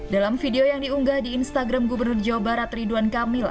dalam video yang diunggah di instagram gubernur jawa barat ridwan kamil